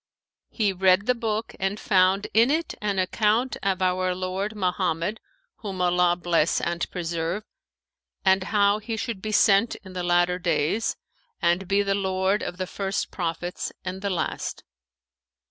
He read the book and found in it an account of our lord Mohammed (whom Allah bless and preserve!) and how he should be sent in the latter days[FN#513] and be the lord of the first Prophets and the last.